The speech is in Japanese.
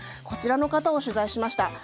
こちらの方を取材しました。